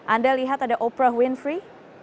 anda lihat ada oprah winfrey